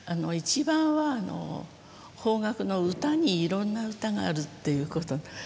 一番は邦楽の唄にいろんな唄があるっていうこと。